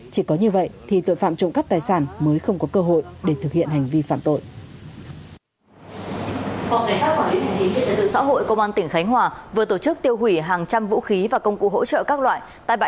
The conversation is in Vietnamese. chỉ có như vậy thì tội phạm trộm cắp tài sản mới không có cơ hội để thực hiện hành vi phạm tội